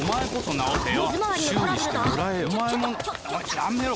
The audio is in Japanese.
やめろ！